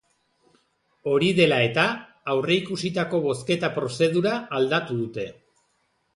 Hori dela eta, aurreikusitako bozketa-prozedura aldatu dute.